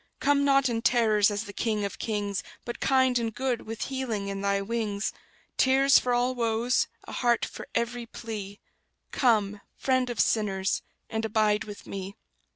Come not in terrors, as the King of kings; But kind and good, with healing in Thy wings: Tears for all woes, a heart for every plea; Come, Friend of sinners, and abide with me!